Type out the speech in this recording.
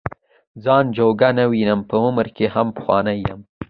ځان جوګه نه وینم په عمر کې هم پخوانی یم.